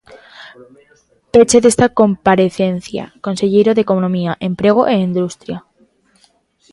Peche desta comparecencia, conselleiro de Economía, Emprego e Industria.